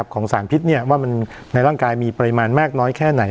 ของสารพิษว่าในร่างกายมีปริมาณมากน้อยแค่ไหน